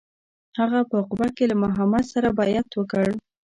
هغه په عقبه کې له محمد سره بیعت وکړ.